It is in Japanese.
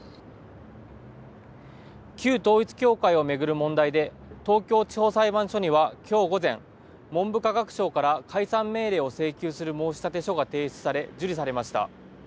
旧統一教会を巡る問題で東京地方裁判所にはきょう午前、文部科学省から解散命令を請求する申し立て書が提出され受理されました。